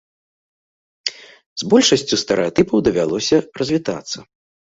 З большасцю стэрэатыпаў давялося развітацца.